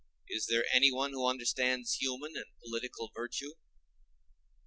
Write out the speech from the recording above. Is there anyone who understands human and political virtue?